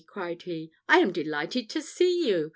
cried he, "I am delighted to see you.